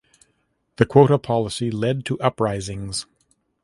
The quota policy led to uprisings.